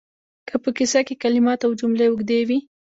که په کیسه کې کلمات او جملې اوږدې وي